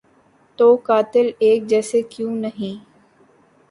تو قاتل ایک جیسے کیوں نہیں؟